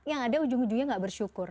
yang ada ujung ujungnya gak bersyukur